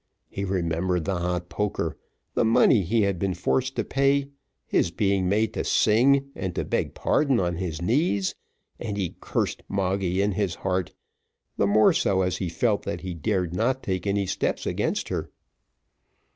He remembered the hot poker the money he had been forced to pay his being made to sing and to beg pardon on his knees; and he cursed Moggy in his heart, the more so, as he felt that he dare not take any steps against her.